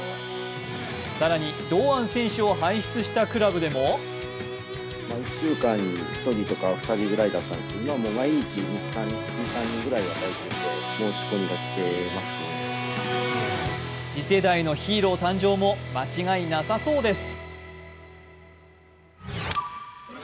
更に、堂安選手を輩出したクラブでも次世代のヒーロー誕生も間違いなさそうです。